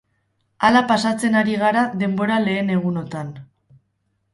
Hala pasatzen ari gara denbora lehen egunotan.